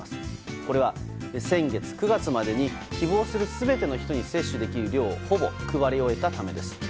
これは先月９月までに希望する全ての人への接種量をほぼ配り終えたためです。